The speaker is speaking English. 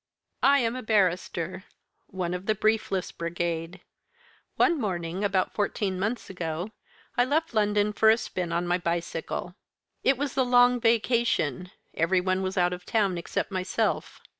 "I am a barrister one of the briefless brigade. One morning, about fourteen months ago, I left London for a spin on my bicycle. It was the long vacation; every one was out of town except myself.